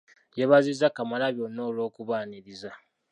Yeebaziza Kamalabyonna olw'okubaaniriza.